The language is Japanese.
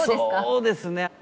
そうですね。